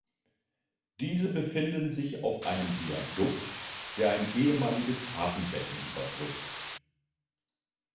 Diese befinden sich auf einem Viadukt, der ein ehemaliges Hafenbecken überbrückt.